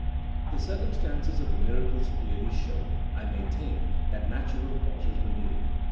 The circumstances of the miracles clearly show, I main tain, that natural causes were needed.